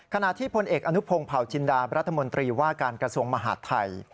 ขณะที่พลเอกอนุพงศ์เผาจินดารัฐมนตรีว่าการกระทรวงมหาดไทย